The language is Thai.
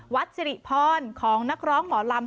สิริพรของนักร้องหมอลำ